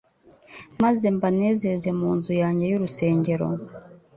maze mbanezeze mu nzu yanjye y'urusengero."